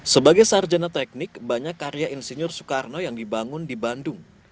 sebagai sarjana teknik banyak karya insinyur soekarno yang dibangun di bandung